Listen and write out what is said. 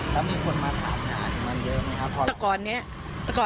แล้วมีคนมาถามหนาถึงมันเยอะไหมครับ